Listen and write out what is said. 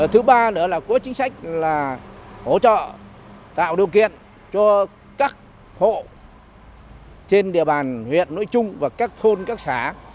thứ ba nữa là có chính sách là hỗ trợ tạo điều kiện cho các hộ trên địa bàn huyện nội trung và các thôn các xã